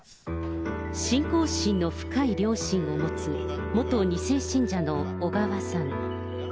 信仰心の深い両親を持つ元２世信者の小川さん。